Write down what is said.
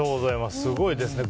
すごいですね。